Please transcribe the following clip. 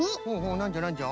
なんじゃなんじゃ？